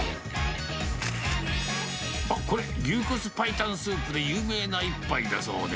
あっ、これ、牛骨白湯スープで有名な一杯だそうで。